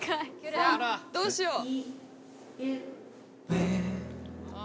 どうしよう？